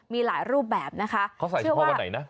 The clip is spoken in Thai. มีหลายรูปแบบนะคะเขาใส่เฉพาะวันไหนนะ